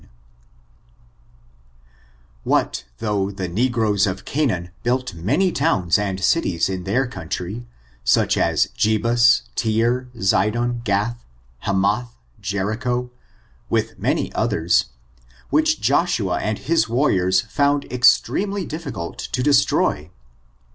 215 What though the negroes of Canaan built many towns and cities in their country, such as JebuSj Tyre^ Zidan, Oath, Hamath, Jerichoy with many others, which Joshua and his warriors found extremely dif ficult to destroy?